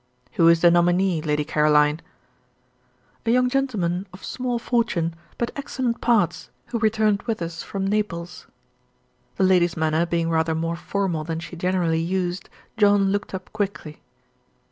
"Who is the nominee, Lady Caroline?" "A young gentleman of small fortune, but excellent parts, who returned with us from Naples." The lady's manner being rather more formal than she generally used, John looked up quickly.